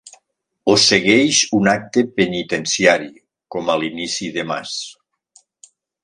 Ho segueix un acte penitenciari, com a l'inici de Mass.